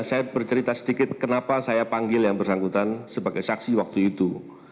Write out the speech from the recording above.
saya bercerita sedikit kenapa saya panggil yang bersangkutan sebagai saksi waktu itu